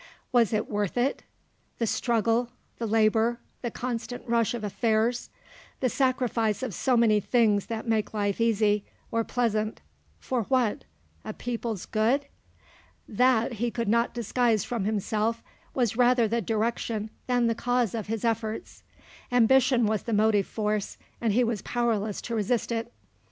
Was it worth it? The struggle, the labour, the constant rush of affairs, the sacrifice of so many things that make life easy, or pleasant for what? A people's good! That, he could not disguise from himself, was rather the direction than the cause of his efforts. Ambition was the motive force, and he was powerless to resist it.